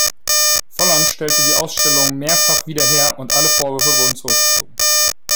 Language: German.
Volland stellte die Ausstellung mehrfach wieder her und alle Vorwürfe wurden zurückgezogen.